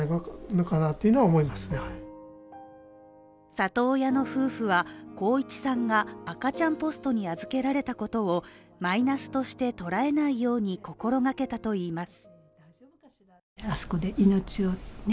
里親の夫婦は航一さんが赤ちゃんポストに預けられたことをマイナスとして捉えないように心掛けたといいます。